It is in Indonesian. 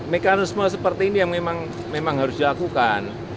mekanisme seperti ini yang memang harus dilakukan